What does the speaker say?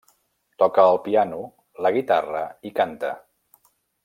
Toca el piano, la guitarra i canta.